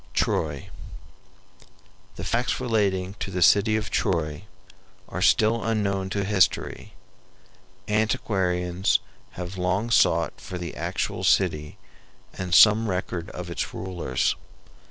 TROY The facts relating to the city of Troy are still unknown to history. Antiquarians have long sought for the actual city and some record of its rulers.